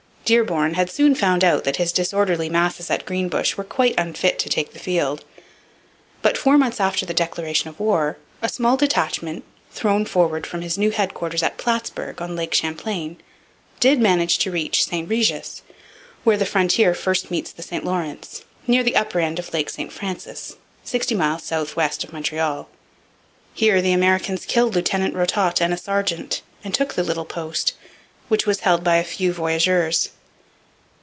Dearborn had soon found out that his disorderly masses at Greenbush were quite unfit to take the field. But, four months after the declaration of war, a small detachment, thrown forward from his new headquarters at Plattsburg on Lake Champlain, did manage to reach St Regis, where the frontier first meets the St Lawrence, near the upper end of Lake St Francis, sixty miles south west of Montreal. Here the Americans killed Lieutenant Rototte and a sergeant, and took the little post, which was held by a few voyageurs.